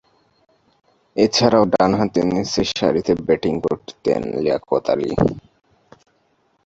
এছাড়াও, ডানহাতে নিচেরসারিতে ব্যাটিং করতেন লিয়াকত আলী।